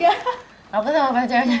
aku sama pacarnya enggak ya nih joli